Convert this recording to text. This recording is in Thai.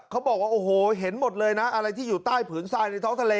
เขาบอกว่าโอ้โหเห็นหมดเลยนะอะไรที่อยู่ใต้ผืนทรายในท้องทะเล